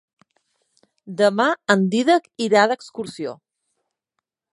Demà en Dídac irà d'excursió.